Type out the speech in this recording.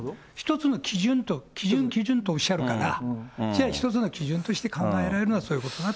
１つの基準、基準基準とおっしゃるから、一つの基準として考えられるのはこういうことだと。